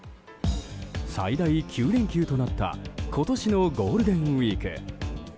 最大９連休となった今年のゴールデンウィーク。